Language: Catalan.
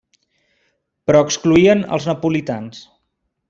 Però excloïen els napolitans.